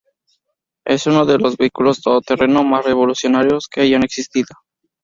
Es uno de los vehículos todo terreno más revolucionarios que hayan existido.